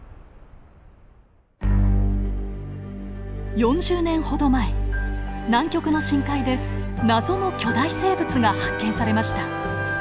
４０年ほど前南極の深海で謎の巨大生物が発見されました。